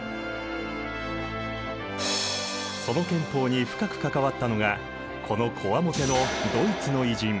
その憲法に深く関わったのがこのコワモテのドイツの偉人。